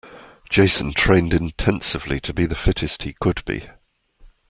Jason trained intensely to be the fittest he could be.